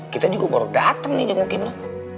kita juga baru dateng nih jangan ngungkin lo